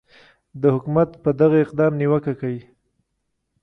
د حکومت پر دغه اقدام نیوکه کوي